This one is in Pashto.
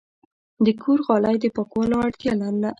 د کور غالی د پاکولو اړتیا لرله.